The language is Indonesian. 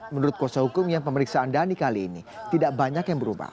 menurut kuasa hukum yang pemeriksaan dhani kali ini tidak banyak yang berubah